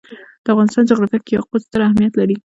د افغانستان جغرافیه کې یاقوت ستر اهمیت لري.